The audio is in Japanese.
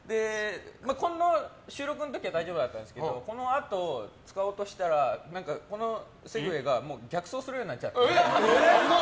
この収録の時は大丈夫だったんですけどこのあと、使おうとしたらこのセグウェイが逆走するようになっちゃって。